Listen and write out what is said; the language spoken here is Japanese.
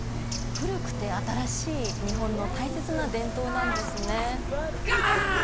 古くて新しい日本の大切な伝統なんですね